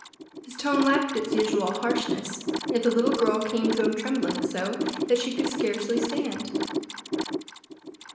His tone lacked its usual harshness, yet the little girl came to him trembling so that she could scarcely stand.